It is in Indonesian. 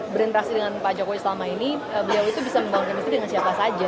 berinteraksi dengan pak jokowi selama ini beliau itu bisa membangun kemistri dengan siapa saja